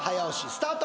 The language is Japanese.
スタート